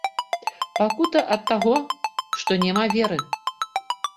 Пакута ад таго, што няма веры.